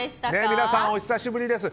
皆さん、お久しぶりです！